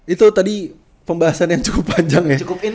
itu tadi pembahasan yang cukup panjang ya